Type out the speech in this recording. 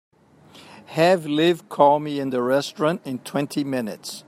Have Liv call me in the restaurant in twenty minutes.